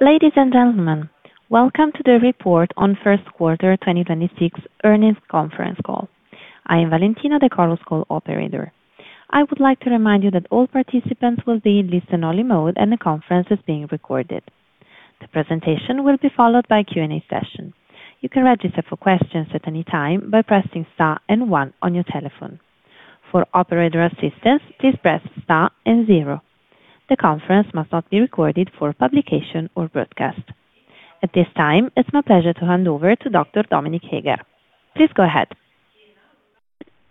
Ladies and gentlemen, welcome to the report on first quarter 2026 earnings conference call. I am Valentina, the call's call operator. I would like to remind you that all participants will be in listen only mode, and the conference is being recorded. The presentation will be followed by a Q&A session. You can register for questions at any time by pressing star one on your telephone. For operator assistance, please press star zero. The conference must not be recorded for publication or broadcast. At this time, it's my pleasure to hand over to Dr. Dominik Heger. Please go ahead.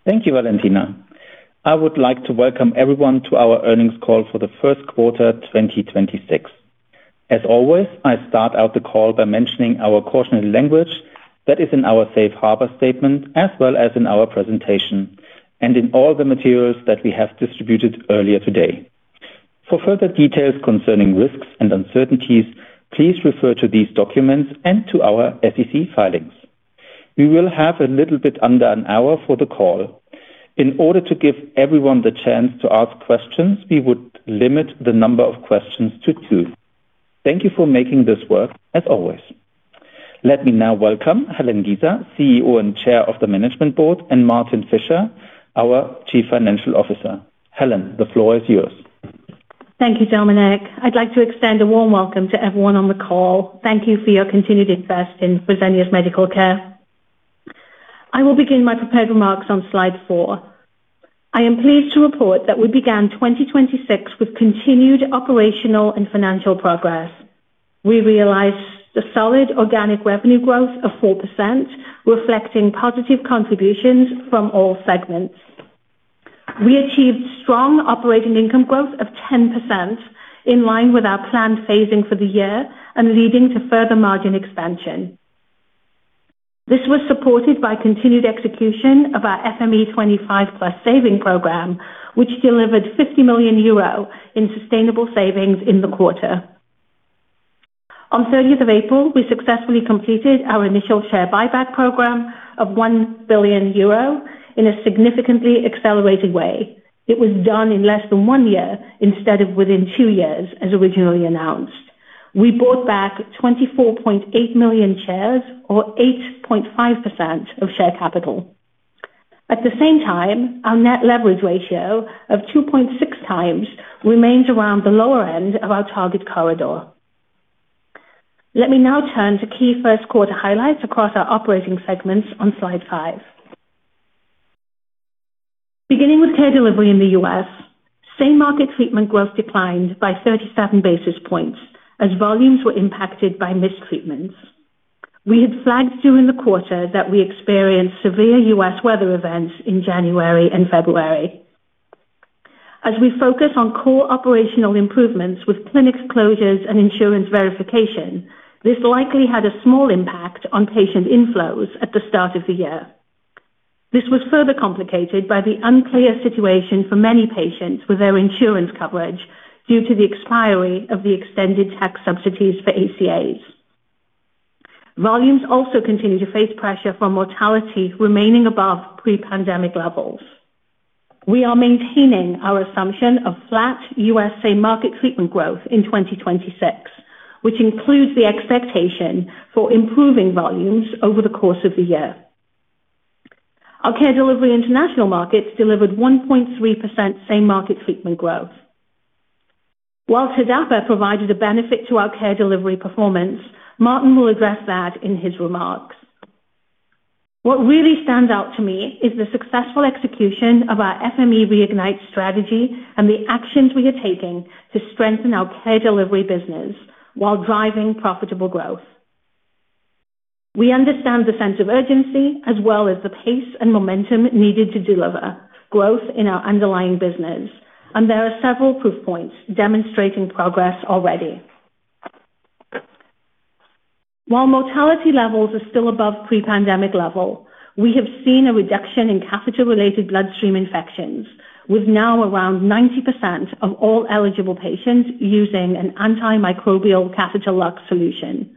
Thank you, Valentina. I would like to welcome everyone to our earnings call for the first quarter 2026. As always, I start out the call by mentioning our cautionary language that is in our safe harbor statement as well as in our presentation and in all the materials that we have distributed earlier today. For further details concerning risks and uncertainties, please refer to these documents and to our SEC filings. We will have a little bit under an hour for the call. In order to give everyone the chance to ask questions, we would limit the number of questions to two. Thank you for making this work as always. Let me now welcome Helen Giza, CEO and Chair of the Management Board, and Martin Fischer, our Chief Financial Officer. Helen, the floor is yours. Thank you, Dominik. I'd like to extend a warm welcome to everyone on the call. Thank you for your continued interest in Fresenius Medical Care. I will begin my prepared remarks on slide four. I am pleased to report that we began 2026 with continued operational and financial progress. We realized a solid organic revenue growth of 4%, reflecting positive contributions from all segments. We achieved strong operating income growth of 10% in line with our planned phasing for the year and leading to further margin expansion. This was supported by continued execution of our FME25+ saving program, which delivered 50 million euro in sustainable savings in the quarter. On 30th of April, we successfully completed our initial share buyback program of 1 billion euro in a significantly accelerated way. It was done in less than one year instead of within two years as originally announced. We bought back 24.8 million shares or 8.5% of share capital. At the same time, our net leverage ratio of 2.6x remains around the lower end of our target corridor. Let me now turn to key first quarter highlights across our operating segments on slide five. Beginning with Care Delivery in the U.S., same-market treatment growth declined by 37 basis points as volumes were impacted by mistreatments. We had flagged during the quarter that we experienced severe U.S. weather events in January and February. As we focus on core operational improvements with clinics closures and insurance verification, this likely had a small impact on patient inflows at the start of the year. This was further complicated by the unclear situation for many patients with their insurance coverage due to the expiry of the extended tax subsidies for ACAs. Volumes also continue to face pressure from mortality remaining above pre-pandemic levels. We are maintaining our assumption of flat U.S. same-market treatment growth in 2026, which includes the expectation for improving volumes over the course of the year. Our Care Delivery International markets delivered 1.3% same-market treatment growth. While TDAPA provided a benefit to our Care Delivery performance, Martin will address that in his remarks. What really stands out to me is the successful execution of our FME Reignite strategy and the actions we are taking to strengthen our Care Delivery business while driving profitable growth. We understand the sense of urgency as well as the pace and momentum needed to deliver growth in our underlying business. There are several proof points demonstrating progress already. While mortality levels are still above pre-pandemic level, we have seen a reduction in catheter-related bloodstream infections, with now around 90% of all eligible patients using an antimicrobial catheter lock solution.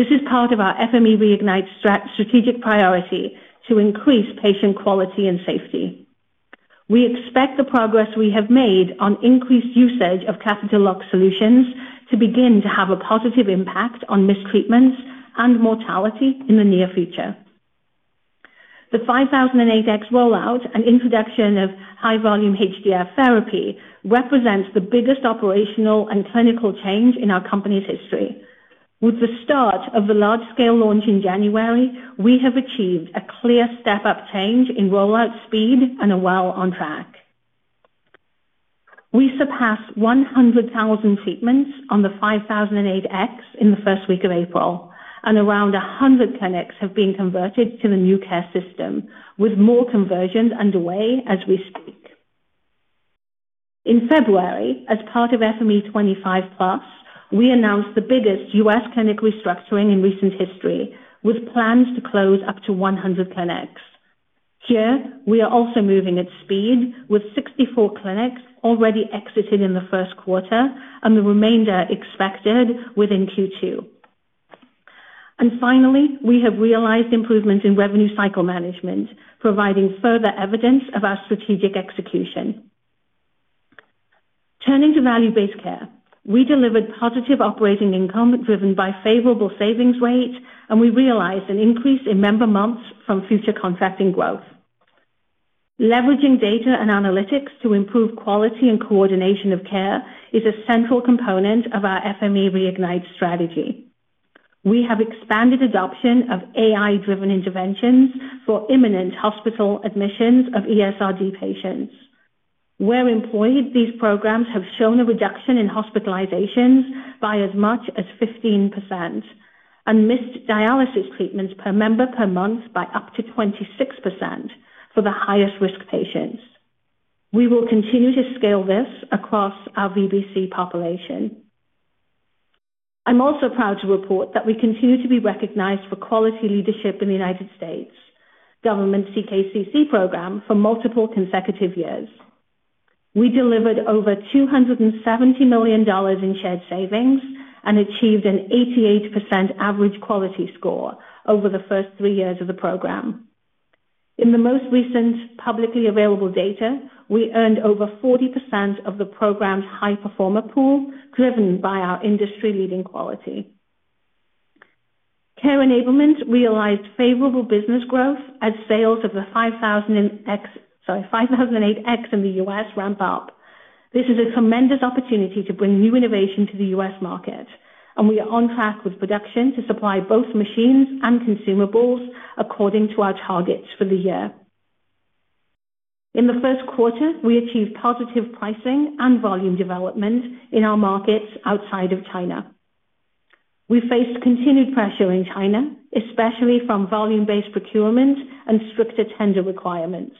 This is part of our FME Reignite strategic priority to increase patient quality and safety. We expect the progress we have made on increased usage of catheter lock solutions to begin to have a positive impact on mistreatments and mortality in the near future. The 5008X rollout and introduction of HighVolumeHDF therapy represents the biggest operational and clinical change in our company's history. With the start of the large scale launch in January, we have achieved a clear step up change in rollout speed and are well on track. We surpassed 100,000 treatments on the 5008X in the first week of April, and around 100 clinics have been converted to the new care system, with more conversions underway as we speak. In February, as part of FME25+, we announced the biggest U.S. clinic restructuring in recent history, with plans to close up to 100 clinics. Here, we are also moving at speed with 64 clinics already exited in the first quarter and the remainder expected within Q2. Finally, we have realized improvements in revenue cycle management, providing further evidence of our strategic execution. Turning to Value-Based Care, we delivered positive operating income driven by favorable savings rate, and we realized an increase in member months from future contracting growth. Leveraging data and analytics to improve quality and coordination of care is one central component of our FME Reignite strategy. We have expanded adoption of AI-driven interventions for imminent hospital admissions of ESRD patients. Where employed, these programs have shown a reduction in hospitalizations by as much as 15% and missed dialysis treatments per member per month by up to 26% for the highest risk patients. We will continue to scale this across our VBC population. I'm also proud to report that we continue to be recognized for quality leadership in the United States Government CKCC program for multiple consecutive years. We delivered over $270 million in shared savings and achieved an 88% average quality score over the first three years of the program. In the most recent publicly available data, we earned over 40% of the program's high performer pool, driven by our industry-leading quality. Care Enablement realized favorable business growth as sales of the 5008X in the U.S. ramp up. This is a tremendous opportunity to bring new innovation to the U.S. market, and we are on track with production to supply both machines and consumables according to our targets for the year. In the first quarter, we achieved positive pricing and volume development in our markets outside of China. We faced continued pressure in China, especially from volume-based procurement and stricter tender requirements.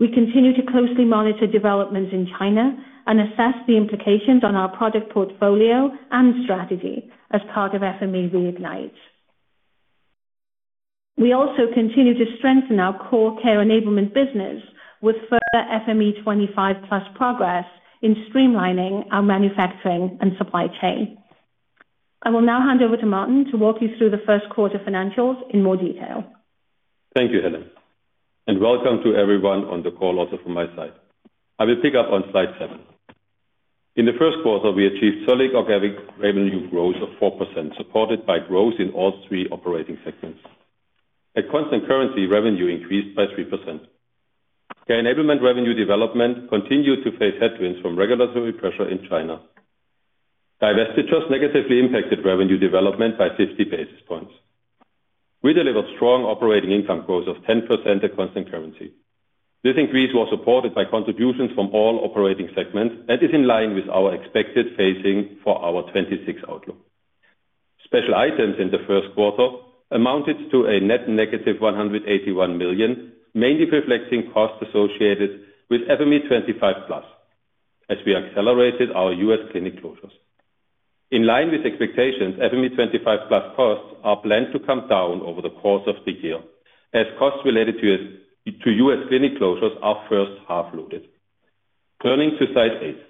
We continue to closely monitor developments in China and assess the implications on our product portfolio and strategy as part of FME Reignite. We also continue to strengthen our core Care Enablement business with further FME25+ progress in streamlining our manufacturing and supply chain. I will now hand over to Martin to walk you through the first quarter financials in more detail. Thank you, Helen, and welcome to everyone on the call also from my side. I will pick up on slide seven. In the first quarter, we achieved solid organic revenue growth of 4%, supported by growth in all three operating segments. At constant currency, revenue increased by 3%. Care Enablement revenue development continued to face headwinds from regulatory pressure in China. Divestitures negatively impacted revenue development by 50 basis points. We delivered strong operating income growth of 10% at constant currency. This increase was supported by contributions from all operating segments and is in line with our expected phasing for our 2026 outlook. Special items in the first quarter amounted to a net negative 181 million, mainly reflecting costs associated with FME25+ as we accelerated our U.S. clinic closures. In line with expectations, FME25+ costs are planned to come down over the course of the year as costs related to U.S. clinic closures are first half loaded. Turning to slide eight.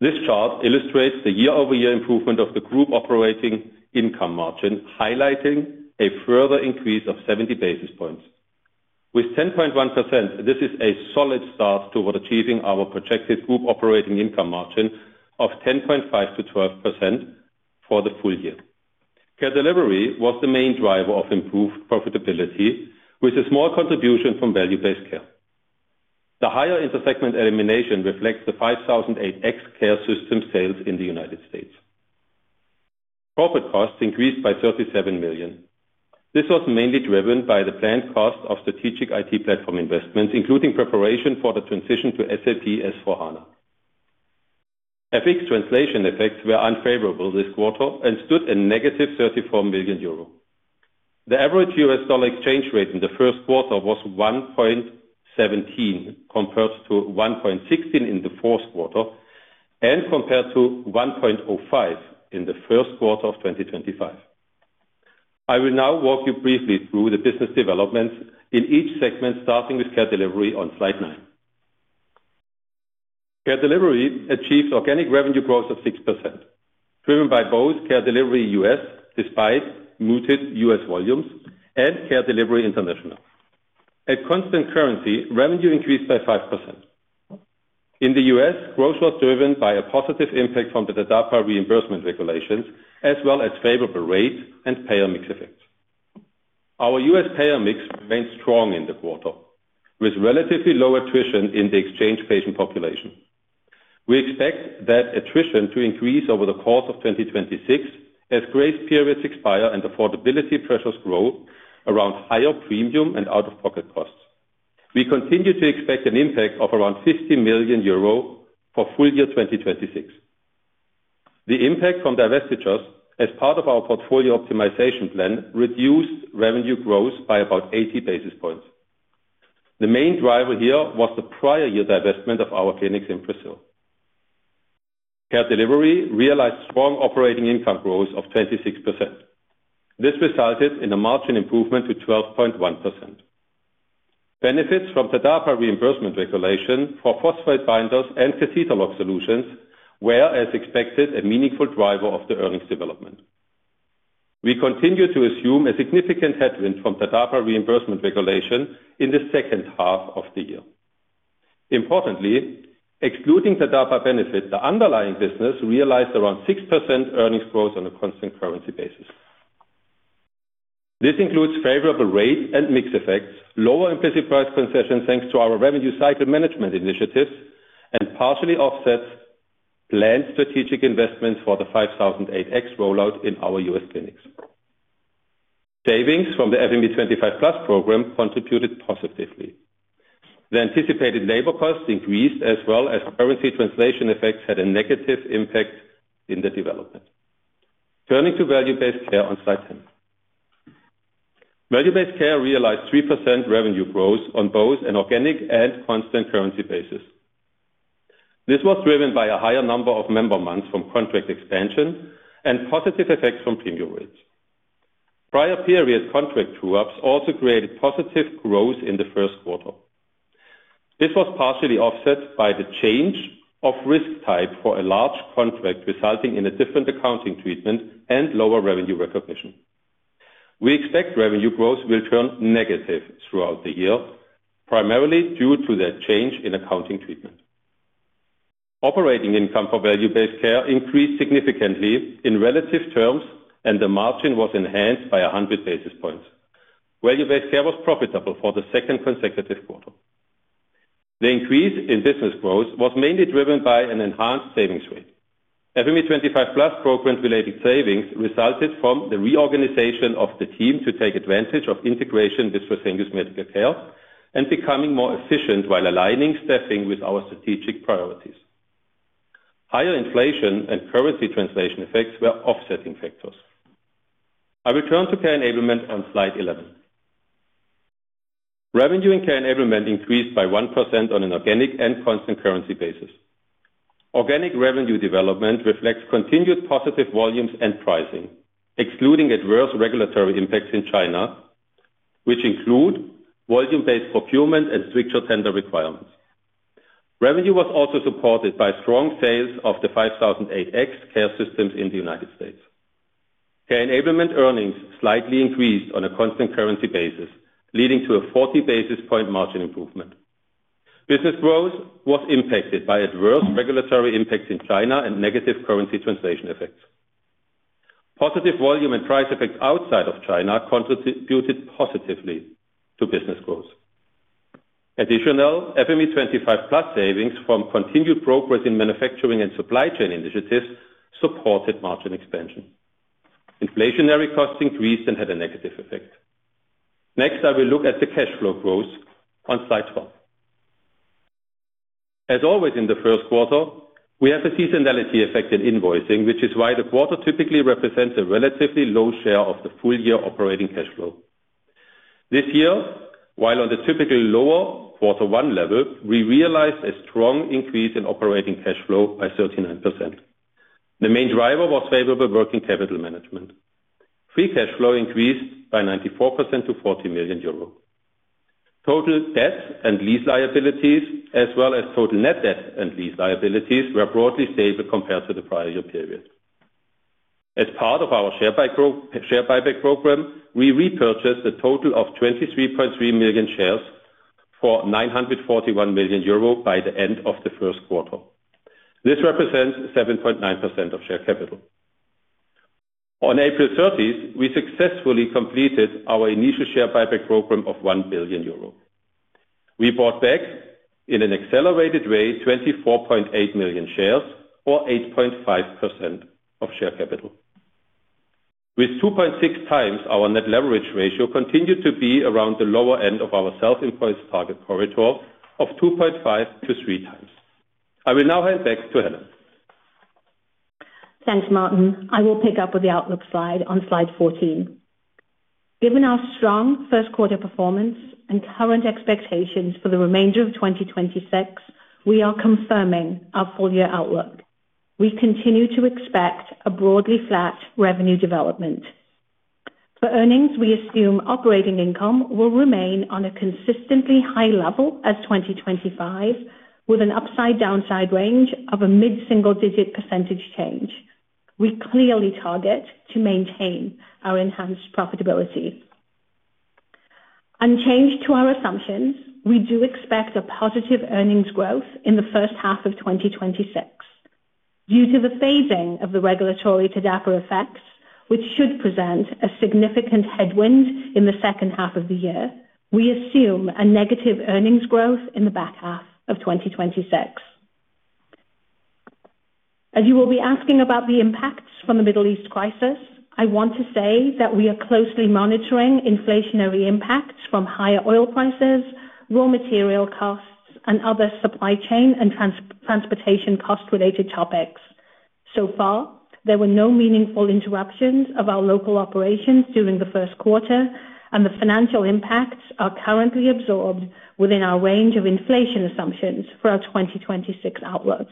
This chart illustrates the year-over-year improvement of the group operating income margin, highlighting a further increase of 70 basis points. With 10.1%, this is a solid start toward achieving our projected group operating income margin of 10.5%-12% for the full year. Care Delivery was the main driver of improved profitability with a small contribution from Value-Based Care. The higher intersegment elimination reflects the 5008X care system sales in the United States. Corporate costs increased by 37 million. This was mainly driven by the planned cost of strategic IT platform investments, including preparation for the transition to SAP S/4HANA. FX translation effects were unfavorable this quarter and stood at -34 million euro. The average U.S. dollar exchange rate in the first quarter was $1.17, compared to $1.16 in the fourth quarter and compared to $1.05 in the first quarter of 2025. I will now walk you briefly through the business developments in each segment, starting with Care Delivery on slide nine. Care Delivery achieved organic revenue growth of 6%, driven by both Care Delivery U.S., despite muted U.S. volumes and Care Delivery International. At constant currency, revenue increased by 5%. In the U.S., growth was driven by a positive impact from the TDAPA reimbursement regulations, as well as favorable rate and payer mix effects. Our U.S. payer mix remained strong in the quarter, with relatively low attrition in the exchange patient population. We expect that attrition to increase over the course of 2026 as grace periods expire and affordability pressures grow around higher premium and out-of-pocket costs. We continue to expect an impact of around 50 million euro for full year 2026. The impact from divestitures as part of our portfolio optimization plan reduced revenue growth by about 80 basis points. The main driver here was the prior year divestment of our clinics in Brazil. Care Delivery realized strong operating income growth of 26%. This resulted in a margin improvement to 12.1%. Benefits from the TDAPA reimbursement regulation for phosphate binders and Citrasate solutions were, as expected, a meaningful driver of the earnings development. We continue to assume a significant headwind from the TDAPA reimbursement regulation in the second half of the year. Importantly, excluding the TDAPA benefit, the underlying business realized around 6% earnings growth on a constant currency basis. This includes favorable rate and mix effects, lower implicit price concessions thanks to our revenue cycle management initiatives and partially offsets planned strategic investments for the 5008X rollout in our U.S. clinics. Savings from the FME25+ program contributed positively. The anticipated labor costs increased as well as currency translation effects had a negative impact in the development. Turning to Value-Based Care on slide 10. Value-Based Care realized 3% revenue growth on both an organic and constant currency basis. This was driven by a higher number of member months from contract expansion and positive effects from premium rates. Prior period contract true-ups also created positive growth in the first quarter. This was partially offset by the change of risk type for a large contract, resulting in a different accounting treatment and lower revenue recognition. We expect revenue growth will turn negative throughout the year, primarily due to that change in accounting treatment. Operating income for Value-Based Care increased significantly in relative terms, and the margin was enhanced by 100 basis points. Value-Based Care was profitable for the second consecutive quarter. The increase in business growth was mainly driven by an enhanced savings rate. FME25+ program-related savings resulted from the reorganization of the team to take advantage of integration with Fresenius Medical Care and becoming more efficient while aligning staffing with our strategic priorities. Higher inflation and currency translation effects were offsetting factors. I return to Care Enablement on slide 11. Revenue in Care Enablement increased by 1% on an organic and constant currency basis. Organic revenue development reflects continued positive volumes and pricing, excluding adverse regulatory impacts in China, which include volume-based procurement and stricter tender requirements. Revenue was also supported by strong sales of the 5008X care systems in the United States. Care Enablement earnings slightly increased on a constant currency basis, leading to a 40 basis point margin improvement. Business growth was impacted by adverse regulatory impacts in China and negative currency translation effects. Positive volume and price effects outside of China contributed positively to business growth. Additional FME25+ savings from continued progress in manufacturing and supply chain initiatives supported margin expansion. Inflationary costs increased and had a negative effect. Next, I will look at the cash flow growth on slide 12. As always in the first quarter, we have a seasonality effect in invoicing, which is why the quarter typically represents a relatively low share of the full year operating cash flow. This year, while on the typical lower quarter one level, we realized a strong increase in operating cash flow by 39%. The main driver was favorable working capital management. Free cash flow increased by 94% to 40 million euro. Total debt and lease liabilities as well as total net debt and lease liabilities were broadly stable compared to the prior year period. As part of our share buyback program, we repurchased a total of 23.3 million shares for 941 million euro by the end of the first quarter. This represents 7.9% of share capital. On April 30th, we successfully completed our initial share buyback program of 1 billion euro. We bought back in an accelerated way 24.8 million shares or 8.5% of share capital. With 2.6x, our net leverage ratio continued to be around the lower end of our self-imposed target corridor of 2.5x-3x. I will now hand back to Helen. Thanks, Martin. I will pick up with the outlook slide on slide 14. Given our strong first quarter performance and current expectations for the remainder of 2026, we are confirming our full year outlook. We continue to expect a broadly flat revenue development. For earnings, we assume operating income will remain on a consistently high level as 2025, with an upside downside range of a mid-single-digit percentage change. We clearly target to maintain our enhanced profitability. Unchanged to our assumptions, we do expect a positive earnings growth in the first half of 2026. Due to the phasing of the regulatory TDAPA effects, which should present a significant headwind in the second half of the year, we assume a negative earnings growth in the back half of 2026. As you will be asking about the impacts from the Middle East crisis, I want to say that we are closely monitoring inflationary impacts from higher oil prices, raw material costs, and other supply chain and transportation cost related topics. Far, there were no meaningful interruptions of our local operations during the first quarter, and the financial impacts are currently absorbed within our range of inflation assumptions for our 2026 outlook.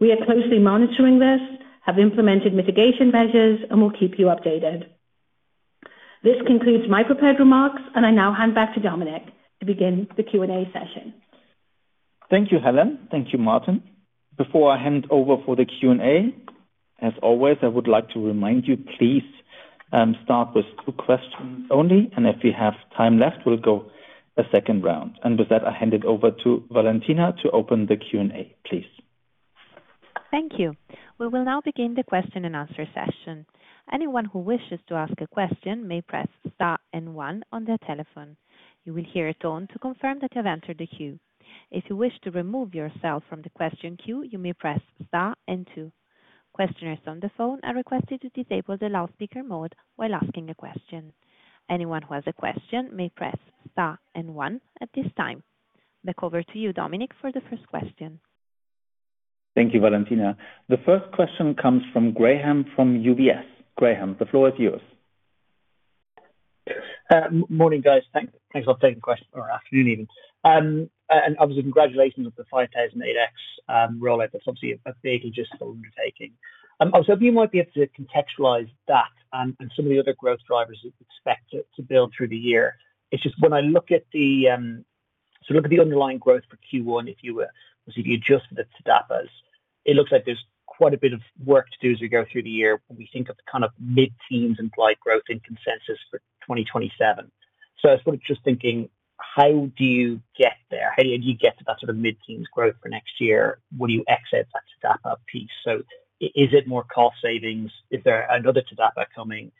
We are closely monitoring this, have implemented mitigation measures, and will keep you updated. This concludes my prepared remarks, and I now hand back to Dominik to begin the Q&A session. Thank you, Helen. Thank you, Martin. Before I hand over for the Q&A, as always, I would like to remind you, please, start with two questions only, and if we have time left, we'll go a second round. With that, I hand it over to Valentina to open the Q&A, please. Thank you. We will now begin the question-and-answer session. Anyone who wishes to ask a question may press star and one on their telephone. You will hear a tone to confirm that you have entered the queue. If you wish to remove yourself from the question queue, you may press star and two. Questioners on the phone are requested to disable the loudspeaker mode while asking a question. Anyone who has a question may press star and one at this time. Back over to you, Dominik, for the first question. Thank you, Valentina. The first question comes from Graham from UBS. Graham, the floor is yours. Morning, guys. Thanks for taking the question or afternoon even. And obviously congratulations on the 5008X rollout. That's obviously a big and logistical undertaking. I was hoping you might be able to contextualize that and some of the other growth drivers you expect it to build through the year. It's just when I look at the underlying growth for Q1, if you adjust for the TDAPAs, it looks like there's quite a bit of work to do as we go through the year when we think of the kind of mid-teens implied growth in consensus for 2027. I was sort of just thinking, how do you get there? How do you get to that sort of mid-teens growth for next year when you exit that TDAPA piece? Is it more cost savings? Is there another TDAPA coming?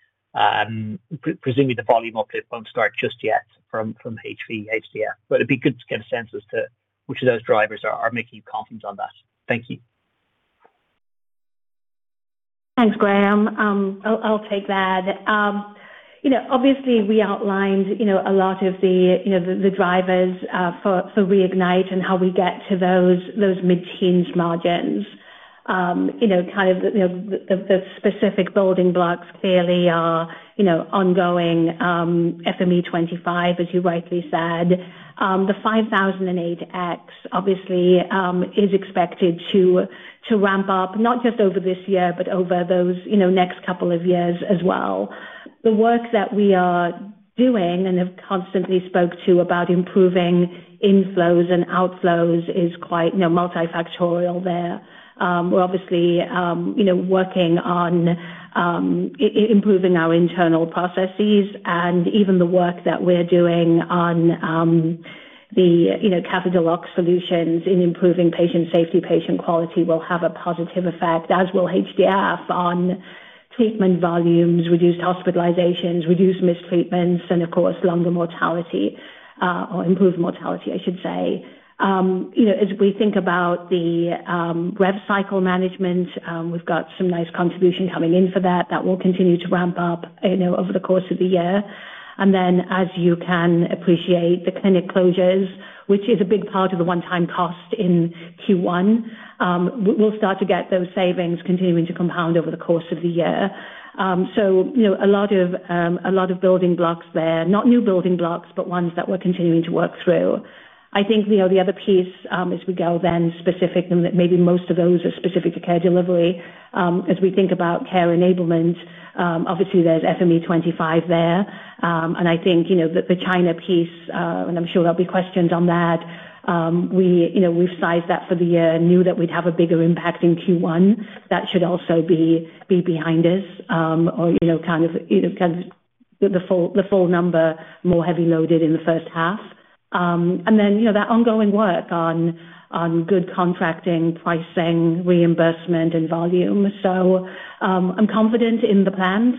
Presumably the volume uplift won't start just yet from HVHDF, but it'd be good to get a sense as to which of those drivers are making you confident on that. Thank you. Thanks, Graham. I'll take that. You know, obviously we outlined, you know, a lot of the, you know, the drivers for Reignite and how we get to those mid-teens margins. You know, kind of the, you know, the specific building blocks clearly are, you know, ongoing FME25+, as you rightly said. The 5008X obviously is expected to ramp up not just over this year, but over those, you know, next couple of years as well. The work that we are doing and have constantly spoke to about improving inflows and outflows is quite, you know, multifactorial there. We're obviously, you know, working on improving our internal processes and even the work that we're doing on the, you know, catheter lock solutions in improving patient safety, patient quality will have a positive effect, as will HDF on treatment volumes, reduced hospitalizations, reduced mistreatments, and of course, longer mortality, or improved mortality, I should say. You know, as we think about the rev cycle management, we've got some nice contribution coming in for that. That will continue to ramp up, you know, over the course of the year. Then as you can appreciate the clinic closures, which is a big part of the one-time cost in Q1, we'll start to get those savings continuing to compound over the course of the year. You know, a lot of building blocks there, not new building blocks, but ones that we're continuing to work through. I think, you know, the other piece, as we go then specific and that maybe most of those are specific to Care Delivery, as we think about Care Enablement, obviously there's FME25+ there. I think, you know, the China piece, and I'm sure there'll be questions on that, we, you know, we've sized that for the year, knew that we'd have a bigger impact in Q1. That should also be behind us, or, you know, kind of either because the full number more heavy loaded in the first half. You know, that ongoing work on good contracting, pricing, reimbursement, and volume. I'm confident in the plans.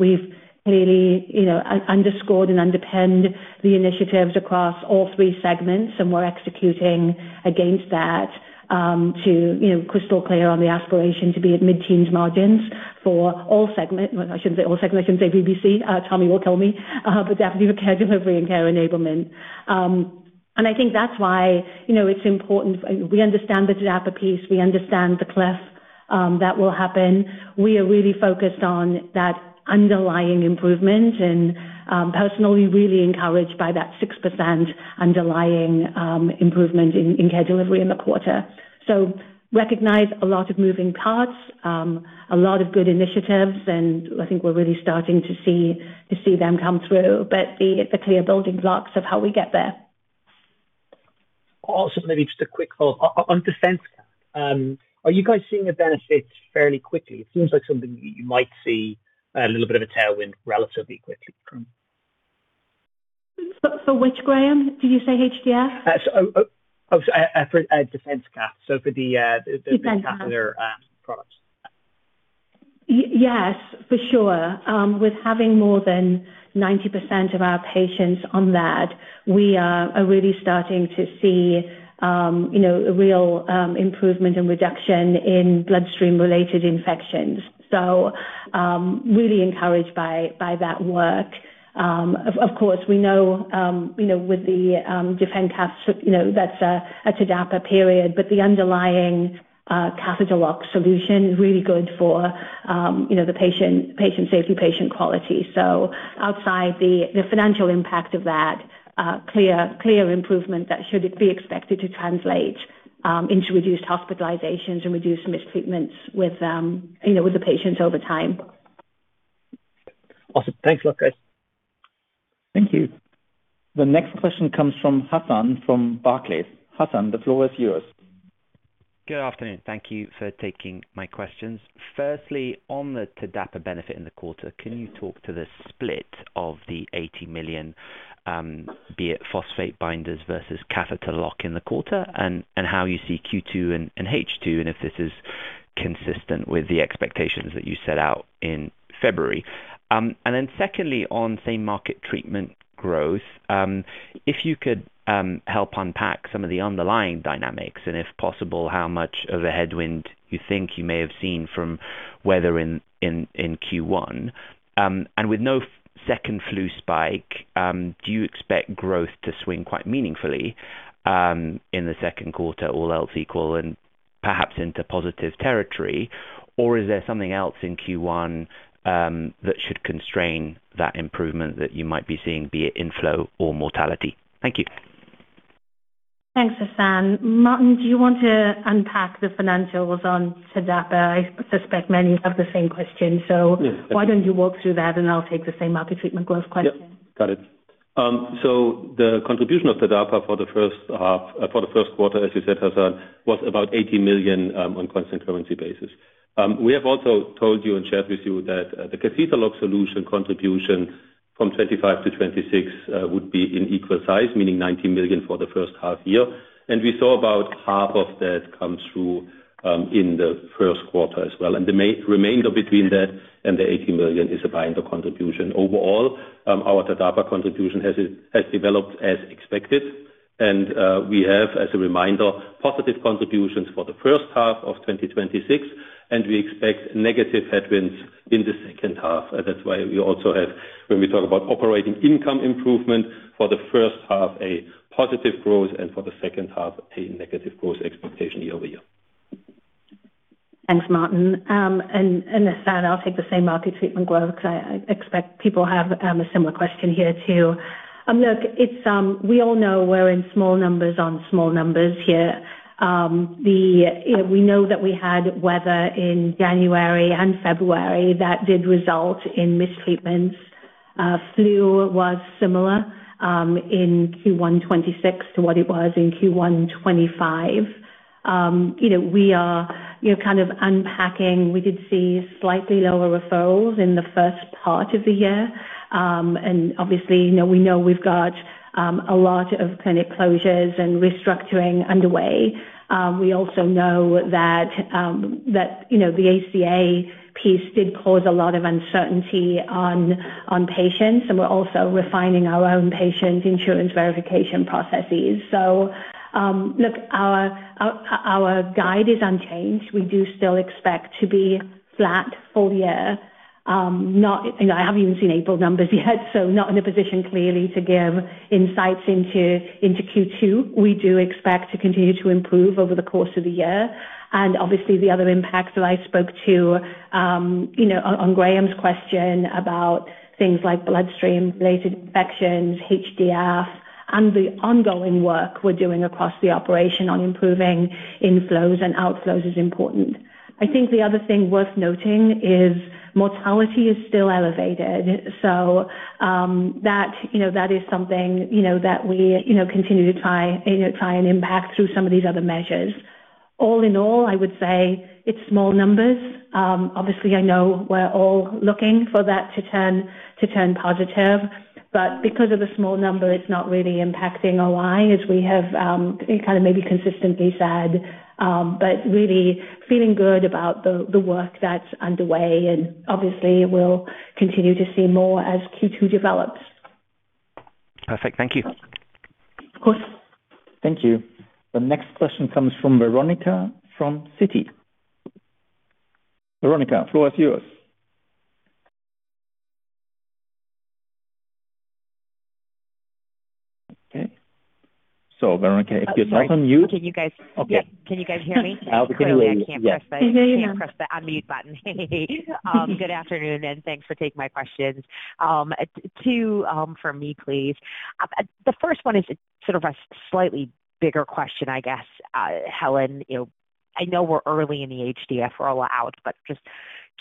We've clearly, you know, underscored and underpinned the initiatives across all three segments, and we're executing against that, you know, crystal clear on the aspiration to be at mid-teens margins for all segment. Well, I shouldn't say all segment, I shouldn't say VBC. Tommy will tell me. But definitely for Care Delivery and Care Enablement. And I think that's why, you know, it's important we understand the TDAPA piece. We understand the cliff that will happen. We are really focused on that underlying improvement and personally really encouraged by that 6% underlying improvement in Care Delivery in the quarter. Recognize a lot of moving parts, a lot of good initiatives, and I think we're really starting to see them come through. The clear building blocks of how we get there. Maybe just a quick follow-up on [Defen]. Are you guys seeing the benefits fairly quickly? It seems like something you might see a little bit of a tailwind relatively quickly from- For which, Graham? Did you say HDF? For DefenCath. DefenCath? catheter, products. Yes, for sure. With having more than 90% of our patients on that, we are really starting to see, you know, a real improvement and reduction in bloodstream-related infections. Really encouraged by that work. Of course, we know, you know, with the DefenCath, you know, that's a TDAPA period, the underlying catheter lock solution is really good for, you know, the patient safety, patient quality. Outside the financial impact of that, clear improvement that should be expected to translate into reduced hospitalizations and reduced mistreatments with, you know, with the patients over time. Awesome. Thanks a lot, guys. Thank you. The next question comes from Hassan from Barclays. Hassan, the floor is yours. Good afternoon. Thank you for taking my questions. Firstly, on the TDAPA benefit in the quarter, can you talk to the split of the 80 million, be it phosphate binders versus catheter lock in the quarter, and how you see Q2 and H2, if this is consistent with the expectations that you set out in February. Secondly, on same-market treatment growth, if you could help unpack some of the underlying dynamics and if possible, how much of a headwind you think you may have seen from weather in Q1. With no second flu spike, do you expect growth to swing quite meaningfully in the second quarter, all else equal and perhaps into positive territory? Is there something else in Q1 that should constrain that improvement that you might be seeing, be it inflow or mortality? Thank you. Thanks, Hassan. Martin, do you want to unpack the financials on TDAPA? I suspect many have the same question. Yeah. Why don't you walk through that and I'll take the same-market treatment growth question. Yep, got it. The contribution of TDAPA for the first quarter, as you said, Hassan, was about 80 million on constant currency basis. We have also told you and shared with you that the catheter lock solution contribution from 25 to 26 would be in equal size, meaning 90 million for the first half year. We saw about half of that come through in the first quarter as well. The remainder between that and the 80 million is a binder contribution. Overall, our TDAPA contribution has developed as expected. We have, as a reminder, positive contributions for the first half of 2026, and we expect negative headwinds in the second half. That's why we also have, when we talk about operating income improvement for the first half, a positive growth and for the second half, a negative growth expectation year-over-year. Thanks, Martin. Hassan, I'll take the same-market treatment growth 'cause I expect people have a similar question here too. Look, it's, we all know we're in small numbers on small numbers here. We know that we had weather in January and February that did result in mistreatments. Flu was similar in Q1 2026 to what it was in Q1 2025. You know, we are, you know, kind of unpacking. We did see slightly lower referrals in the first part of the year. Obviously, you know, we know we've got a lot of clinic closures and restructuring underway. We also know that, you know, the ACA piece did cause a lot of uncertainty on patients, and we're also refining our own patient insurance verification processes. Look, our guide is unchanged. We do still expect to be flat full year. I haven't even seen April numbers yet, so not in a position clearly to give insights into Q2. We do expect to continue to improve over the course of the year. Obviously, the other impacts that I spoke to, you know, on Graham's question about things like bloodstream-related infections, HDF, and the ongoing work we're doing across the operation on improving inflows and outflows is important. I think the other thing worth noting is mortality is still elevated. That, you know, that is something, you know, that we, you know, continue to try and impact through some of these other measures. All in all, I would say it's small numbers. Obviously, I know we're all looking for that to turn positive. Because of the small number, it's not really impacting our why, as we have, kind of maybe consistently said. Really feeling good about the work that's underway. Obviously, we'll continue to see more as Q2 develops. Perfect. Thank you. Of course. Thank you. The next question comes from Veronika from Citi. Veronika, floor is yours. Okay. Veronika, if you're not on mute- Sorry. Okay. Can you guys hear me? I'll put you on mute. Yes. Sorry, I can't press the, I can't press the unmute button. Good afternoon, thanks for taking my questions. Two for me, please. The first one is sort of a slightly bigger question, I guess, Helen. You know, I know we're early in the HDF rollout, just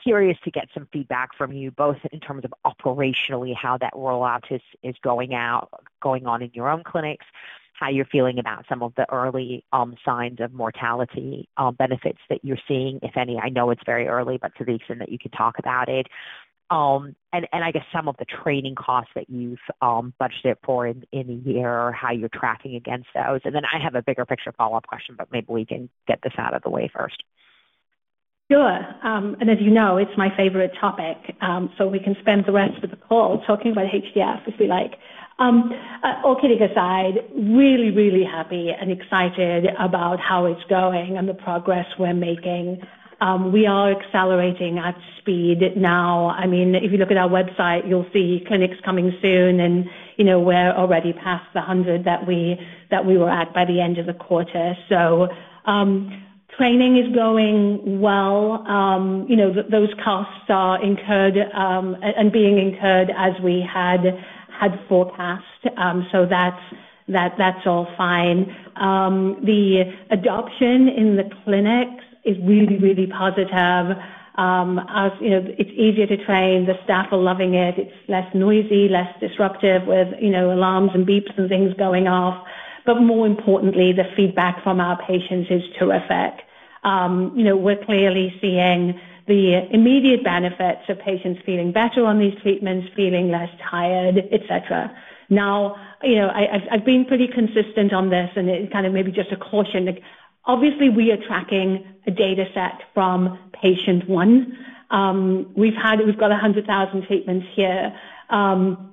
curious to get some feedback from you both in terms of operationally how that rollout is going on in your own clinics, how you're feeling about some of the early signs of mortality benefits that you're seeing, if any. I know it's very early, to the extent that you can talk about it. I guess some of the training costs that you've budgeted for in a year or how you're tracking against those. I have a bigger picture follow-up question, but maybe we can get this out of the way first. Sure. As you know, it's my favorite topic, we can spend the rest of the call talking about HDF if we like. All kidding aside, really, really happy and excited about how it's going and the progress we're making. We are accelerating at speed now. I mean, if you look at our website, you'll see clinics coming soon. You know, we're already past the 100 we were at by the end of the quarter. Training is going well. You know, those costs are incurred and being incurred as we forecast. That's all fine. The adoption in the clinics is really, really positive. As you know, it's easier to train. The staff are loving it. It's less noisy, less disruptive with, you know, alarms and beeps and things going off. More importantly, the feedback from our patients is terrific. You know, we're clearly seeing the immediate benefits of patients feeling better on these treatments, feeling less tired, et cetera. Now, you know, I've been pretty consistent on this, and it kind of maybe just a caution. Like, obviously, we are tracking a data set from patient one. We've got 100,000 treatments here, and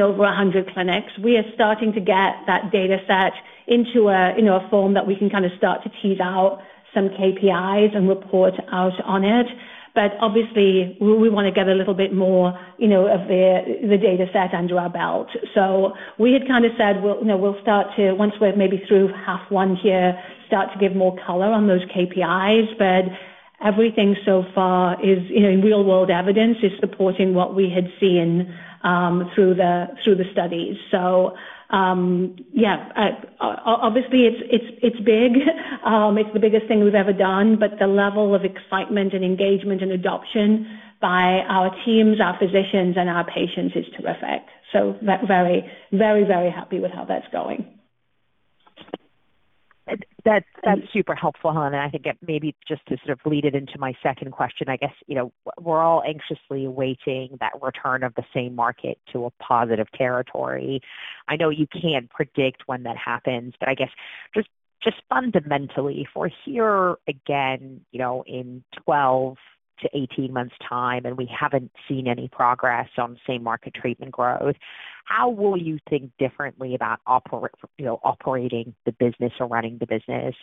over 100 clinics. We are starting to get that data set into a, you know, a form that we can kinda start to tease out some KPIs and report out on it. Obviously, we want to get a little bit more, you know, of the data set under our belt. We had kinda said, we'll, you know, once we're maybe through half 1 here, start to give more color on those KPIs. Everything so far is, you know, in real-world evidence, is supporting what we had seen through the studies. Yeah, obviously, it's big. It's the biggest thing we've ever done, but the level of excitement and engagement and adoption by our teams, our physicians, and our patients is terrific. Very happy with how that's going. That's super helpful, Helen. I think it maybe just to sort of lead it into my second question. I guess, you know, we're all anxiously awaiting that return of the same-market to a positive territory. I know you can't predict when that happens, I guess just fundamentally, if we're here again, you know, in 12-18 months' time, and we haven't seen any progress on same-market treatment growth, how will you think differently about operating the business or running the business?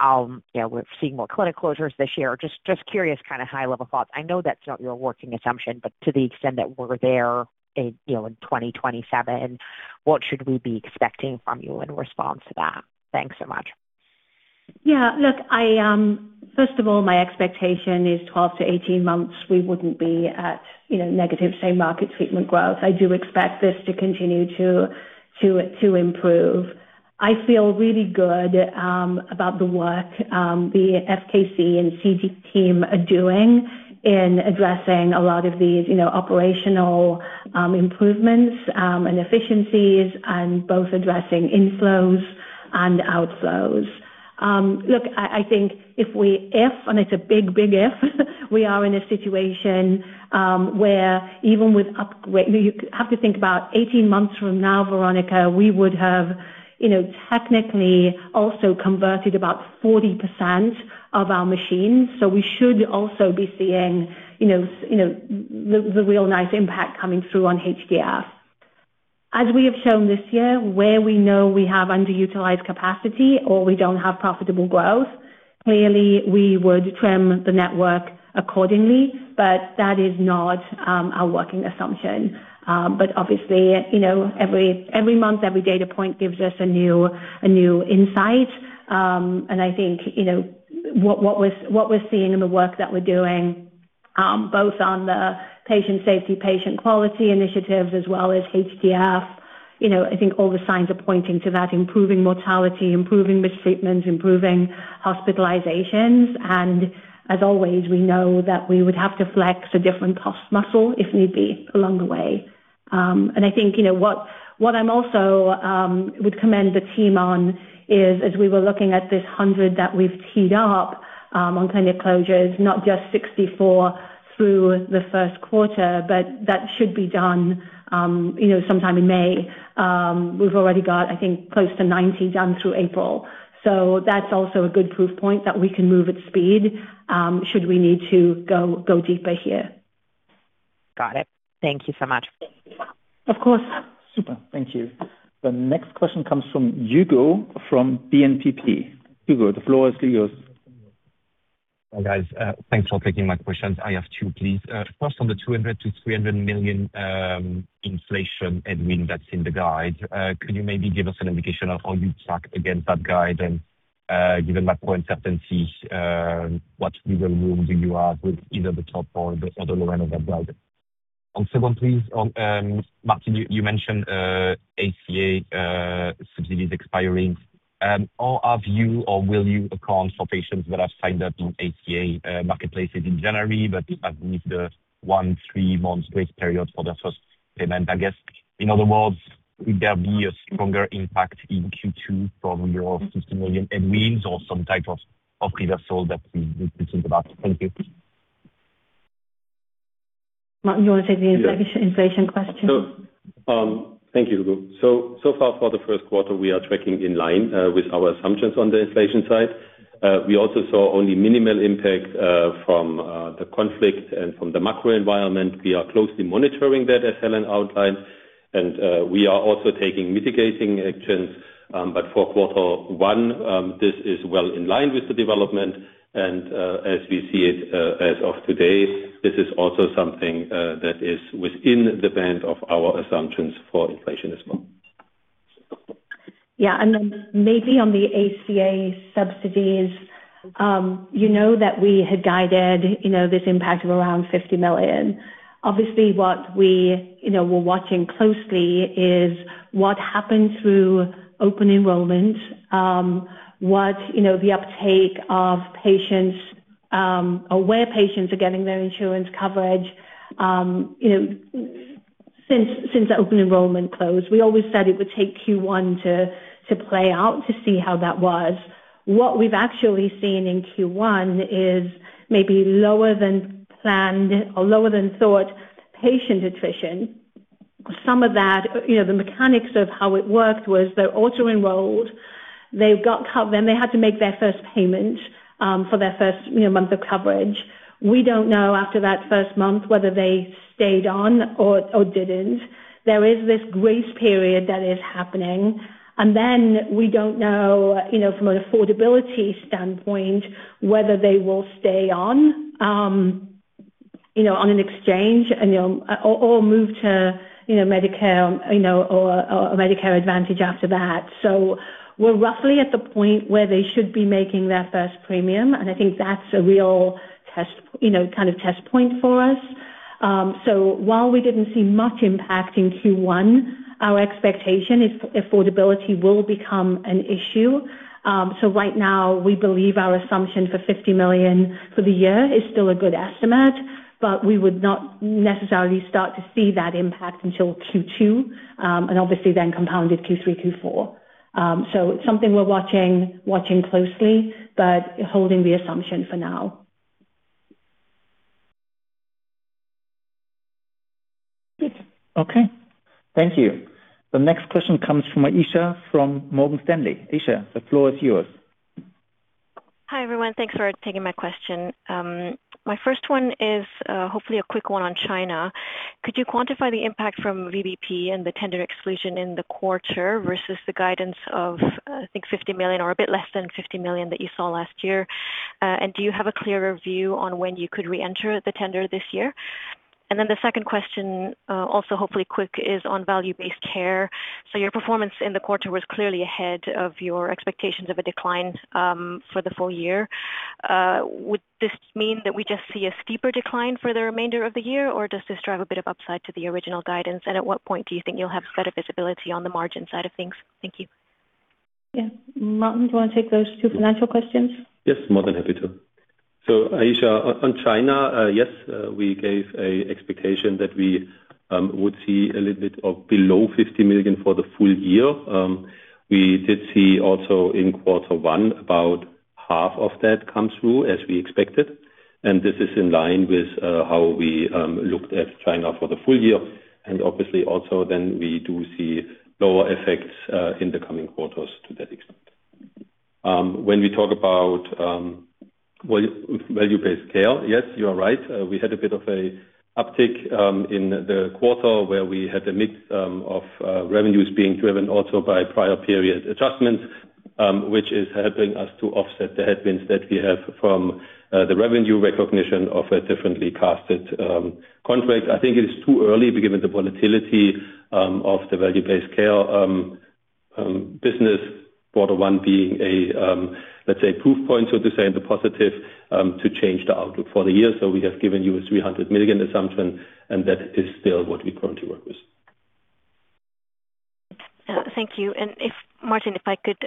You know, we're seeing more clinic closures this year. Just curious, kind of high-level thoughts. I know that's not your working assumption, to the extent that we're there in, you know, in 2027, what should we be expecting from you in response to that? Thanks so much. First of all, my expectation is 12-18 months, we wouldn't be at, you know, negative same-market treatment growth. I do expect this to continue to improve. I feel really good about the work the FKC and CG team are doing in addressing a lot of these, you know, operational improvements and efficiencies and both addressing inflows and outflows. I think if, and it's a big if, we are in a situation where even with upgrades. You have to think about 18 months from now, Veronika, we would have, you know, technically also converted about 40% of our machines. We should also be seeing, you know, the real nice impact coming through on HDF. As we have shown this year, where we know we have underutilized capacity or we don't have profitable growth, clearly we would trim the network accordingly, that is not our working assumption. Obviously, you know, every month, every data point gives us a new insight. I think, you know, what we're seeing in the work that we're doing, both on the patient safety, patient quality initiatives, as well as HDF, you know, I think all the signs are pointing to that improving mortality, improving morbidity, improving hospitalizations. As always, we know that we would have to flex a different cost muscle if need be along the way. I think, you know, what I'm also would commend the team on is, as we were looking at this 100 that we've teed up on clinic closures, not just 64 through the first quarter, but that should be done, you know, sometime in May. We've already got, I think, close to 90 done through April. That's also a good proof point that we can move at speed, should we need to go deeper here. Got it. Thank you so much. Of course. Super. Thank you. The next question comes from Hugo from BNPP. Hugo, the floor is yours. Hi, guys. Thanks for taking my questions. I have two, please. First, on the 200 million-300 million inflation headwind that's in the guide, could you maybe give us an indication of how you track against that guide? Given that point certainty, what wiggle room do you have with either the top or the low end of that guide? Second, please, Martin, you mentioned ACA subsidies expiring. How have you or will you account for patients that have signed up to ACA marketplaces in January, but have missed the one, three-month grace period for their first payment? I guess, in other words, would there be a stronger impact in Q2 from your 50 million headwinds or some type of reversal that we think about? Thank you. Martin, do you want to take the inflation question? Thank you, Hugo. So far for the first quarter, we are tracking in line with our assumptions on the inflation side. We also saw only minimal impact from the conflict and from the macro environment. We are closely monitoring that, as Helen outlined, and we are also taking mitigating actions. For quarter one, this is well in line with the development. As we see it, as of today, this is also something that is within the band of our assumptions for inflation as well. Yeah. Then maybe on the ACA subsidies, you know that we had guided, you know, this impact of around 50 million. Obviously, what we, you know, we're watching closely is what happened through open enrollment, what, you know, the uptake of patients or where patients are getting their insurance coverage. Since the open enrollment closed, we always said it would take Q1 to play out to see how that was. What we've actually seen in Q1 is maybe lower than planned or lower than thought patient attrition. Some of that, you know, the mechanics of how it worked was they're auto-enrolled, they've got then they had to make their first payment for their first, you know, month of coverage. We don't know after that first month whether they stayed on or didn't. There is this grace period that is happening. We don't know, you know, from an affordability standpoint whether they will stay on, you know, on an exchange and, or move to, you know, Medicare, you know, or Medicare Advantage after that. We're roughly at the point where they should be making their first premium, and I think that's a real test, you know, kind of test point for us. While we didn't see much impact in Q1, our expectation is affordability will become an issue. Right now, we believe our assumption for 50 million for the year is still a good estimate, but we would not necessarily start to see that impact until Q2, and obviously then compounded Q3, Q4. It's something we're watching closely, but holding the assumption for now. Good. Okay. Thank you. The next question comes from Aisyah from Morgan Stanley. Aisyah, the floor is yours. Hi, everyone. Thanks for taking my question. My first one is hopefully a quick one on China. Could you quantify the impact from VBP and the tender exclusion in the quarter versus the guidance of, I think, 50 million or a bit less than 50 million that you saw last year? Do you have a clearer view on when you could reenter the tender this year? The second question, also hopefully quick, is on Value-Based Care. Your performance in the quarter was clearly ahead of your expectations of a decline for the full year. Would this mean that we just see a steeper decline for the remainder of the year, or does this drive a bit of upside to the original guidance? At what point do you think you'll have better visibility on the margin side of things? Thank you. Yeah. Martin, do you wanna take those two financial questions? Yes, more than happy to. Aisyah, on China, yes, we gave a expectation that we would see a little bit of below 50 million for the full year. We did see also in quarter one about half of that come through as we expected, and this is in line with how we looked at China for the full year. Obviously also then we do see lower effects in the coming quarters to that extent. When we talk about Value-Based Care, yes, you are right. We had a bit of a uptick in the quarter where we had a mix of revenues being driven also by prior period adjustments, which is helping us to offset the headwinds that we have from the revenue recognition of a differently casted contract. I think it is too early, given the volatility, of the Value-Based Care business, quarter one being a, let's say proof point, so to say, in the positive, to change the outlook for the year. We have given you a 300 million assumption, and that is still what we're going to work with. Thank you. If, Martin, if I could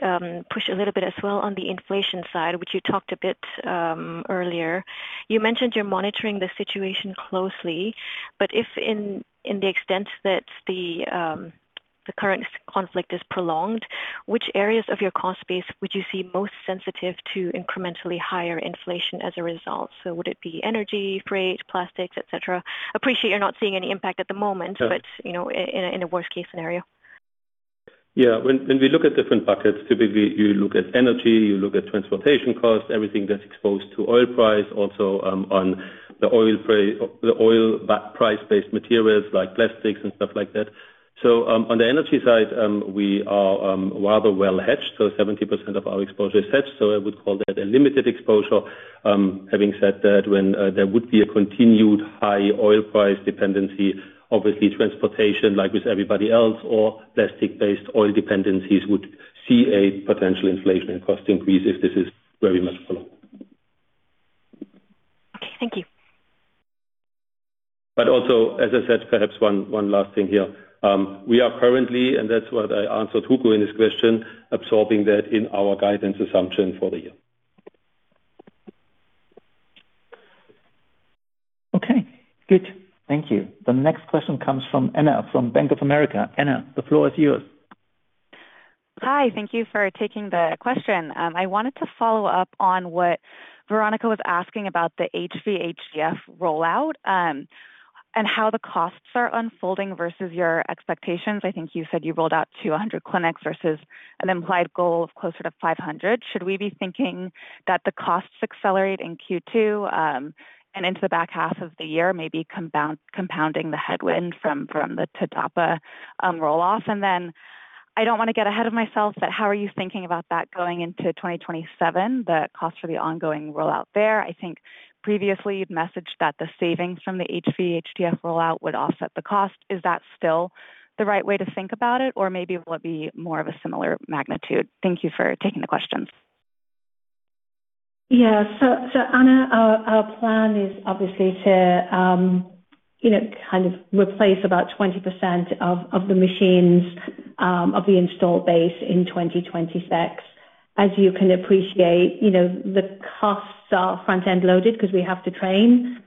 push a little bit as well on the inflation side, which you talked a bit earlier. You mentioned you're monitoring the situation closely, but to the extent that the current conflict is prolonged, which areas of your cost base would you see most sensitive to incrementally higher inflation as a result? Would it be energy, freight, plastics, et cetera? Appreciate you're not seeing any impact at the moment. Yeah. You know, in a worst case scenario. When we look at different buckets, typically you look at energy, you look at transportation costs, everything that's exposed to oil price, also on the oil price-based materials like plastics and stuff like that. On the energy side, we are rather well hedged, so 70% of our exposure is hedged, so I would call that a limited exposure. Having said that, when there would be a continued high oil price dependency, obviously transportation like with everybody else or plastic-based oil dependencies would see a potential inflation and cost increase if this is very much prolonged. Okay. Thank you. Also, as I said, perhaps one last thing here. We are currently, and that's what I answered Hugo in his question, absorbing that in our guidance assumption for the year. Okay. Good. Thank you. The next question comes from Anna from Bank of America. Anna, the floor is yours. Hi. Thank you for taking the question. I wanted to follow up on what Veronika was asking about the HVHDF rollout, and how the costs are unfolding versus your expectations. I think you said you rolled out 200 clinics versus an implied goal of closer to 500. Should we be thinking that the costs accelerate in Q2, and into the back half of the year, maybe compounding the headwind from the TDAPA roll-off? I don't wanna get ahead of myself, but how are you thinking about that going into 2027, the cost for the ongoing rollout there? I think previously you'd messaged that the savings from the HVHDF rollout would offset the cost. Is that still the right way to think about it, or maybe will it be more of a similar magnitude? Thank you for taking the questions. Yeah. Anna, our plan is obviously to, you know, kind of replace about 20% of the machines, of the installed base in 2026. As you can appreciate, you know, the costs are front-end loaded because we have to train.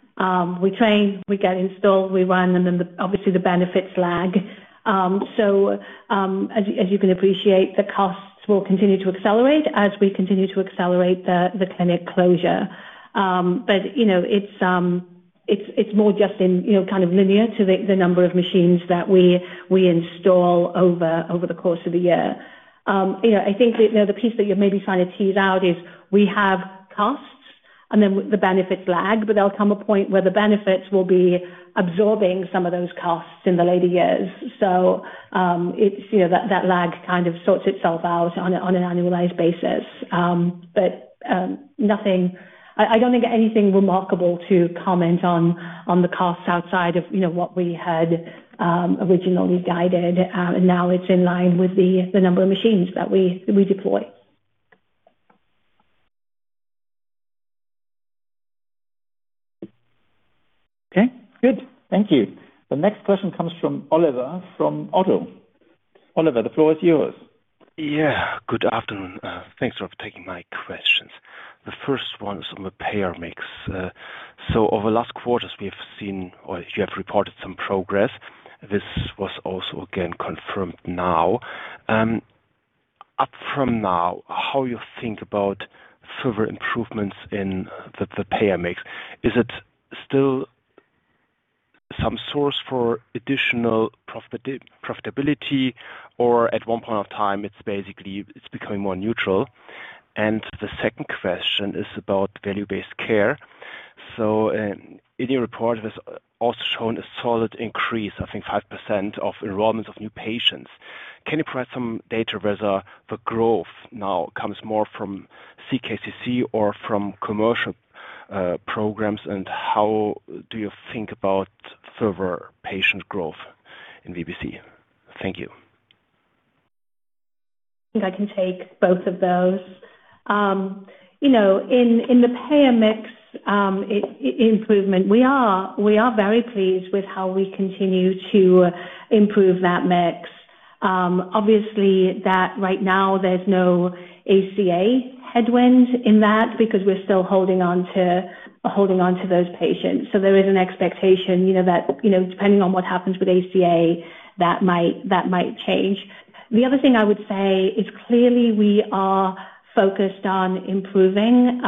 We train, we get installed, we run, and then obviously the benefits lag. As you can appreciate, the costs will continue to accelerate as we continue to accelerate the clinic closure. You know, it's more just in, you know, kind of linear to the number of machines that we install over the course of the year. You know, I think that, you know, the piece that you're maybe trying to tease out is we have costs and then the benefits lag, but there'll come a point where the benefits will be absorbing some of those costs in the later years. It's, you know, that lag kind of sorts itself out on an annualized basis. Nothing I don't think anything remarkable to comment on the costs outside of, you know, what we had originally guided, and now it's in line with the number of machines that we deploy. Okay, good. Thank you. The next question comes from Oliver from ODDO. Oliver, the floor is yours. Yeah, good afternoon. Thanks for taking my questions. The first one is on the payer mix. Over the last quarters, we have seen or you have reported some progress. This was also again confirmed now. Up from now, how you think about further improvements in the payer mix. Is it still some source for additional profitability or at one point of time, it's basically it's becoming more neutral? The second question is about Value-Based Care. In your report has also shown a solid increase, I think 5% of enrollment of new patients. Can you provide some data whether the growth now comes more from CKCC or from commercial programs, and how do you think about further patient growth in VBC? Thank you. I think I can take both of those. You know, in the payer mix improvement, we are very pleased with how we continue to improve that mix. Obviously, that right now there's no ACA headwind in that because we're still holding on to those patients. There is an expectation, you know, that, you know, depending on what happens with ACA, that might, that might change. The other thing I would say is clearly we are focused on improving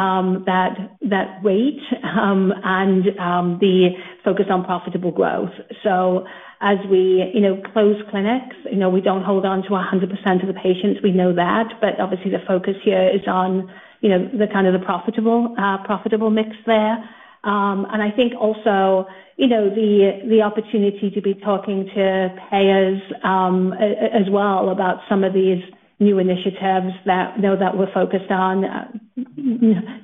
that weight and the focus on profitable growth. As we, you know, close clinics, you know, we don't hold on to 100% of the patients. We know that. Obviously the focus here is on, you know, the kind of the profitable mix there. I think also, you know, the opportunity to be talking to payers as well about some of these new initiatives that, you know, that we're focused on,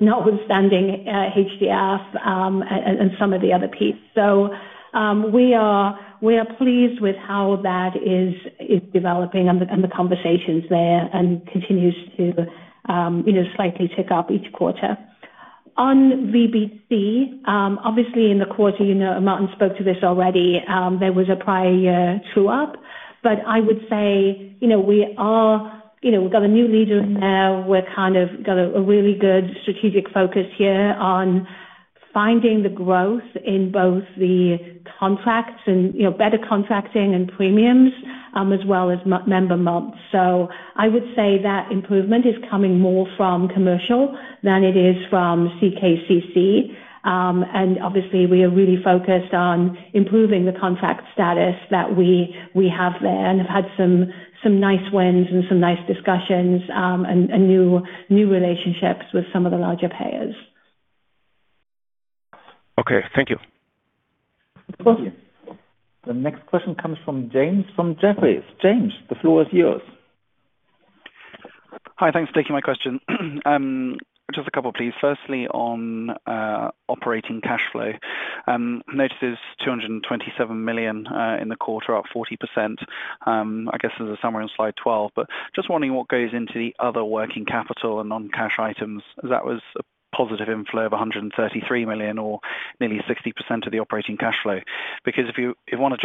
notwithstanding HDF and some of the other pieces. We are, we are pleased with how that is developing and the, and the conversations there and continues to, you know, slightly tick up each quarter. On VBC, obviously in the quarter, you know, Martin spoke to this already, there was a prior year true up. I would say, you know, we are, you know, we've got a new leader now. We're kind of got a really good strategic focus here on finding the growth in both the contracts and, you know, better contracting and premiums, as well as member months. I would say that improvement is coming more from commercial than it is from CKCC. Obviously, we are really focused on improving the contract status that we have there and have had some nice wins and some nice discussions, and new relationships with some of the larger payers. Okay. Thank you. Of course. The next question comes from James from Jefferies. James, the floor is yours. Hi. Thanks for taking my question. Just a couple, please. Firstly, on operating cash flow. Notice it's 227 million in the quarter, up 40%. I guess there's a summary on slide 12, but just wondering what goes into the other working capital and non-cash items. That was a positive inflow of 133 million or nearly 60% of the operating cash flow. Because if you wanna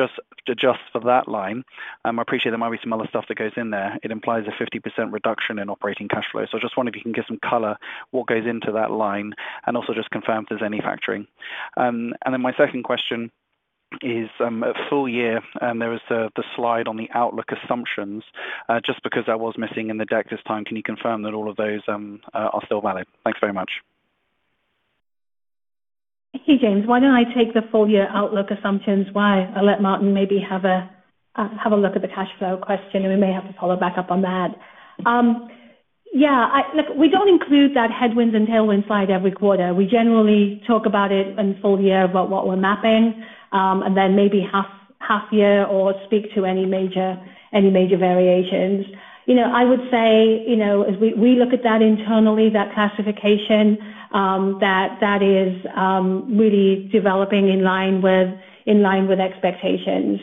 adjust for that line, I appreciate there might be some other stuff that goes in there. It implies a 50% reduction in operating cash flow. I just wonder if you can give some color, what goes into that line, and also just confirm if there's any factoring. My second question is, full year, there was the slide on the outlook assumptions. Just because that was missing in the deck this time, can you confirm that all of those are still valid? Thanks very much. Okay, James. Why don't I take the full year outlook assumptions while I let Martin maybe have a look at the cash flow question, and we may have to follow back up on that. Yeah, look, we don't include that headwinds and tailwinds slide every quarter. We generally talk about it in full year about what we're mapping, and then maybe half year or speak to any major variations. You know, I would say, you know, as we look at that internally, that classification, that is really developing in line with expectations.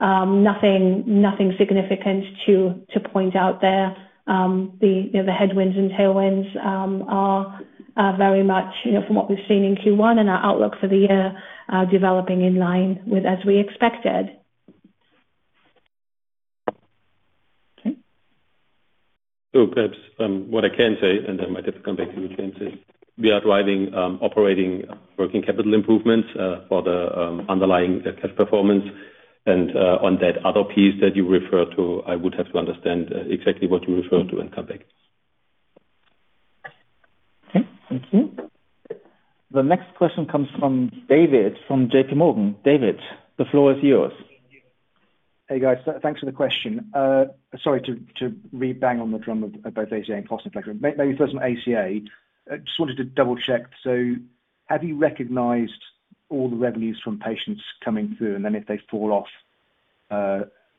Nothing significant to point out there. The, you know, the headwinds and tailwinds are very much, you know, from what we've seen in Q1 and our outlook for the year, are developing in line with as we expected. Okay. Perhaps, what I can say, and then might have to come back to you, James, is we are driving operating working capital improvements for the underlying the cash performance. On that other piece that you refer to, I would have to understand exactly what you refer to and come back. Okay. Thank you. The next question comes from David from JPMorgan. David, the floor is yours. Hey, guys. Thanks for the question. Sorry to re-bang on the drum of both ACA and cost inflation. Maybe first on ACA, I just wanted to double-check. Have you recognized all the revenues from patients coming through? If they fall off,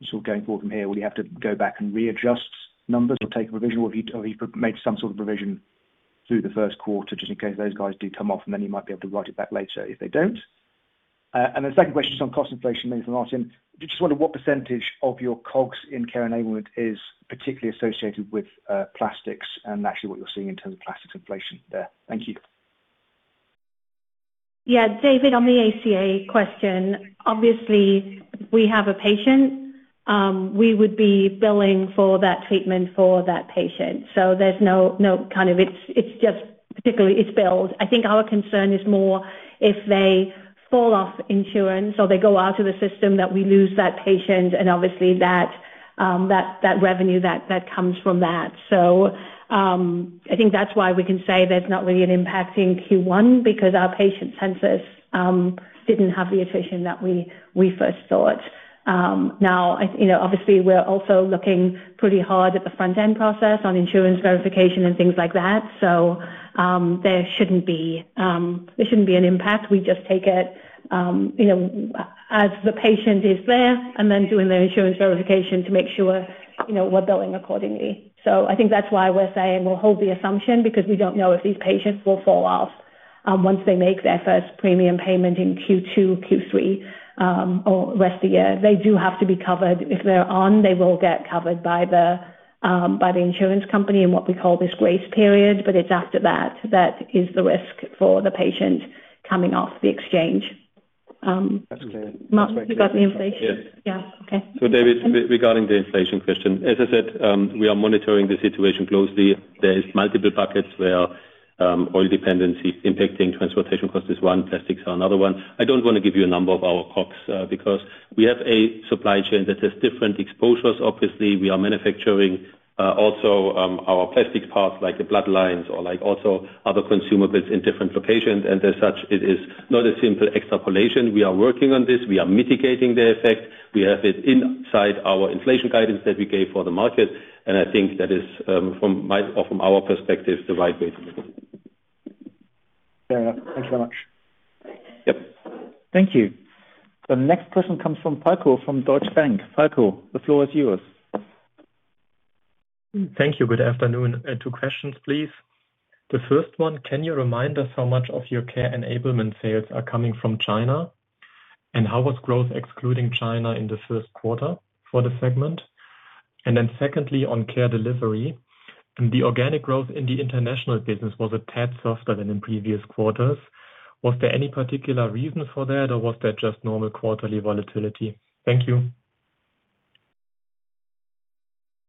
sort of going forward from here, will you have to go back and readjust numbers or take a revision, or have you made some sort of provision through the first quarter just in case those guys do come off, you might be able to write it back later if they don't? The second question is on cost inflation, maybe for Martin. I just wonder what percentage of your costs in Care Enablement is particularly associated with plastics and actually what you're seeing in terms of plastics inflation there? Thank you. David, on the ACA question, obviously, we have a patient, we would be billing for that treatment for that patient. There's no kind of It's just particularly it's billed. I think our concern is more if they fall off insurance or they go out of the system that we lose that patient and obviously that revenue that comes from that. I think that's why we can say there's not really an impact in Q1 because our patient census didn't have the attrition that we first thought. you know, obviously we're also looking pretty hard at the front-end process on insurance verification and things like that. There shouldn't be an impact. We just take it, you know, as the patient is there and then doing the insurance verification to make sure, you know, we're billing accordingly. I think that's why we're saying we'll hold the assumption because we don't know if these patients will fall off, once they make their first premium payment in Q2, Q3, or rest of the year. They do have to be covered. If they're on, they will get covered by the, by the insurance company in what we call this grace period, but it's after that is the risk for the patient coming off the exchange. That's clear. Martin, regarding inflation? Yes. Yeah. Okay. David, regarding the inflation question, as I said, we are monitoring the situation closely. There is multiple buckets where, oil dependency impacting transportation cost is one, plastics are another one. I don't want to give you a number of our costs, because we have a supply chain that has different exposures. Obviously, we are manufacturing also our plastics parts like the bloodlines or like also other consumables in different locations. As such, it is not a simple extrapolation. We are working on this. We are mitigating the effect. We have it inside our inflation guidance that we gave for the market, and I think that is, from my or from our perspective, the right way to look at it. Fair enough. Thanks so much. Yep. Thank you. The next question comes from Falko, from Deutsche Bank. Falko, the floor is yours. Thank you. Good afternoon. Two questions, please. The first one, can you remind us how much of your Care Enablement sales are coming from China? How was growth excluding China in the first quarter for the segment? Secondly, on Care Delivery, the organic growth in the international business was a tad softer than in previous quarters. Was there any particular reason for that, or was that just normal quarterly volatility? Thank you.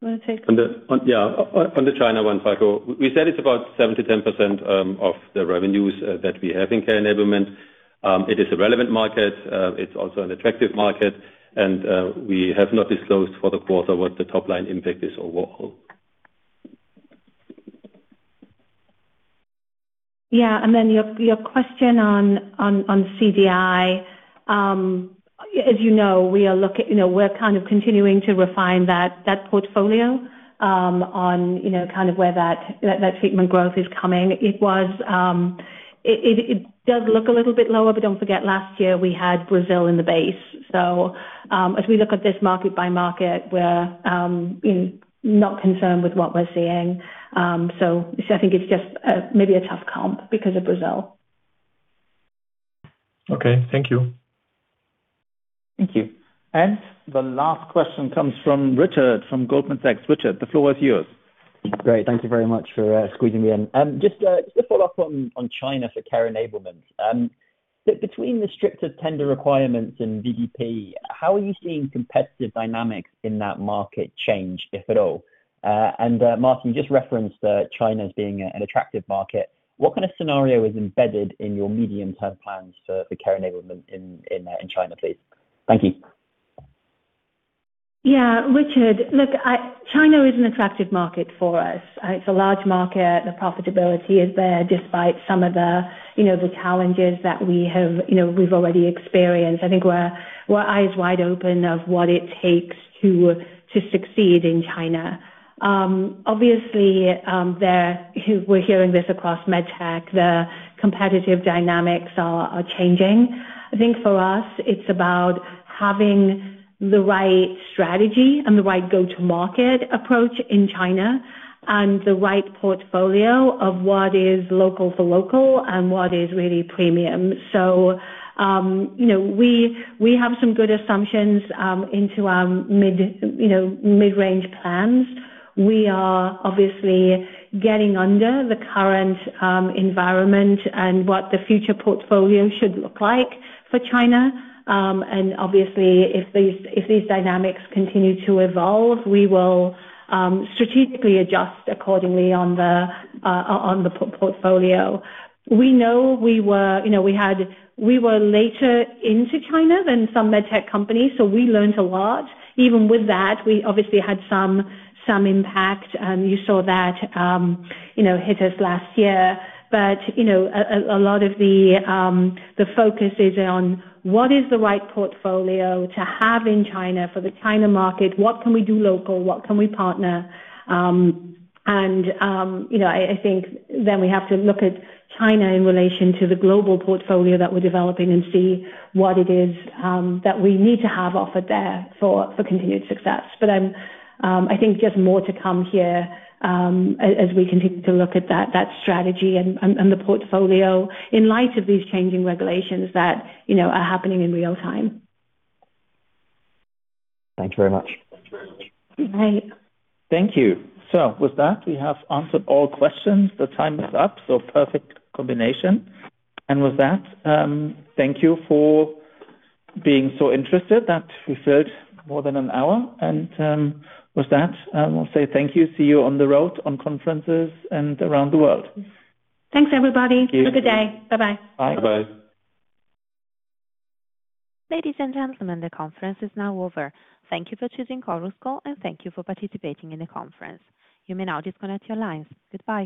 Wanna take this? On the yeah, on the China one, Falko, we said it's about 7%-10% of the revenues that we have in Care Enablement. It is a relevant market, it's also an attractive market. We have not disclosed for the quarter what the top-line impact is overall. Yeah. Your question on CDI. As you know, we're kind of continuing to refine that portfolio, on, you know, kind of where that treatment growth is coming. It does look a little bit lower, don't forget, last year we had Brazil in the base. As we look at this market by market, we're, you know, not concerned with what we're seeing. I think it's just maybe a tough comp because of Brazil. Okay. Thank you. Thank you. The last question comes from Richard from Goldman Sachs. Richard, the floor is yours. Great. Thank you very much for squeezing me in. Just a follow-up on China for Care Enablement. Between the stricter tender requirements and VBP, how are you seeing competitive dynamics in that market change, if at all? Martin, you just referenced China as being an attractive market. What kind of scenario is embedded in your medium-term plans for Care Enablement in China, please? Thank you. Yeah. Richard, look, China is an attractive market for us. It's a large market. The profitability is there despite some of the, you know, the challenges that we have, you know, we've already experienced. I think we're eyes wide open of what it takes to succeed in China. Obviously, there, we're hearing this across med tech, the competitive dynamics are changing. I think for us it's about having the right strategy and the right go-to-market approach in China and the right portfolio of what is local for local and what is really premium. You know, we have some good assumptions into our mid, you know, mid-range plans. We are obviously getting under the current environment and what the future portfolio should look like for China. Obviously, if these, if these dynamics continue to evolve, we will strategically adjust accordingly on the portfolio. We know we were, you know, we were later into China than some med tech companies, so we learned a lot. Even with that, we obviously had some impact. You saw that, you know, hit us last year. You know, a lot of the focus is on what is the right portfolio to have in China for the China market, what can we do local, what can we partner. You know, I think then we have to look at China in relation to the global portfolio that we're developing and see what it is that we need to have offered there for continued success. I'm, I think just more to come here, as we continue to look at that strategy and the portfolio in light of these changing regulations that, you know, are happening in real time. Thank you very much. Bye. Thank you. With that, we have answered all questions. The time is up, so perfect combination. With that, thank you for being so interested, that we filled more than an hour. With that, we'll say thank you, see you on the road, on conferences and around the world. Thanks, everybody. Thank you. Have a good day. Bye-bye. Bye. Bye-bye. Ladies and gentlemen, the conference is now over. Thank you for choosing Chorus Call, and thank you for participating in the conference. You may now disconnect your lines. Goodbye.